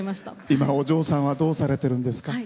今、お嬢さんはどうされてるんですか？